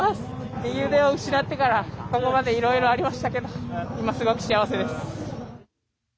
右腕を失ってからここまでいろいろありましたけど今、すごく幸せです。